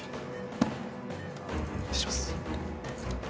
失礼します